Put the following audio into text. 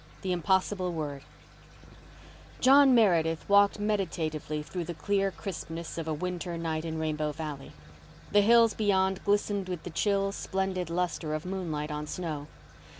THE IMPOSSIBLE WORD John Meredith walked meditatively through the clear crispness of a winter night in Rainbow Valley. The hills beyond glistened with the chill splendid lustre of moonlight on snow.